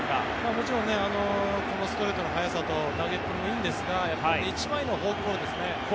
もちろんこのストレートの速さと投げっぷりもいいんですがやっぱり一番いいのはフォークボールですね。